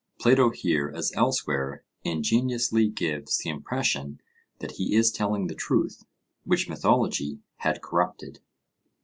Plato here, as elsewhere, ingeniously gives the impression that he is telling the truth which mythology had corrupted.